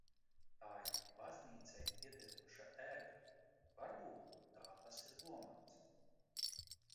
Tā ir baznīcai piederoša ēka, varbūt tā tas ir domāts.